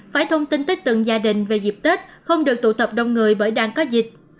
phải thông tin tới từng gia đình về dịp tết không được tụ tập đông người bởi đang có dịch